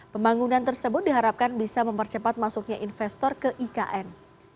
pembangunan tersebut diharapkan bisa mempercepat masuknya investor ke ikn